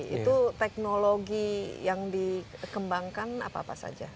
itu teknologi yang dikembangkan apa apa saja